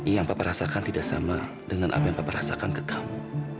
yang papa rasakan tidak sama dengan apa yang bapak rasakan ke kamu